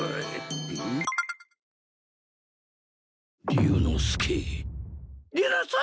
竜之介出なさい！